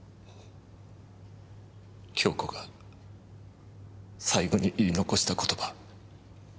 杏子が最期に言い残した言葉。